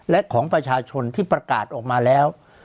และของประชาชนที่ประกาศออกมาแล้ว